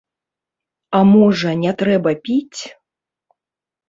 А можа, не трэба піць?